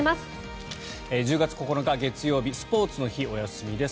１０月９日、月曜日スポーツの日、お休みです。